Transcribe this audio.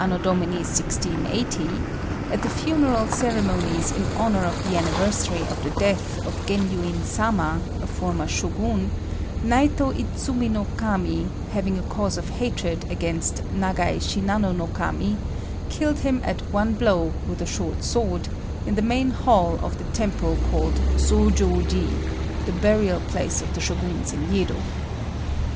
D. 1680), at the funeral ceremonies in honour of the anniversary of the death of Genyuin Sama, a former Shogun, Naitô Idzumi no Kami, having a cause of hatred against Nagai Shinano no Kami, killed him at one blow with a short sword, in the main hall of the temple called Zôjôji (the burial place of the Shoguns in Yedo).